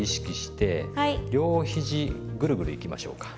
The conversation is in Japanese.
両ひじグルグルいきましょうか。